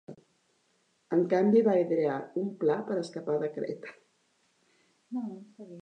En canvi, va idear un pla per escapar de Creta.